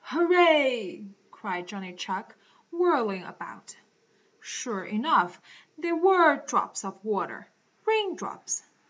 "Hurrah!" cried Johnny Chuck, whirling about. Sure enough, they were drops of water rain drops.